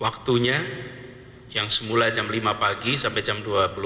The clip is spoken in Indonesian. waktu nya yang semula jam lima pagi sampai jam dua puluh empat